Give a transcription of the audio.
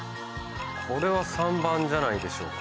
これは３番じゃないでしょうか。